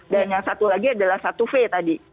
dan yang satu lagi adalah satu v tadi